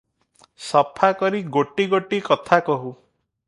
ସଫା କରି ଗୋଟି ଗୋଟି କଥା କହୁ ।